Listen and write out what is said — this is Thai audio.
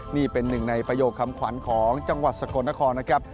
นี่เป็นหนึ่งในประโยคคำขวัญของจังหวัดสกลนครนะครับ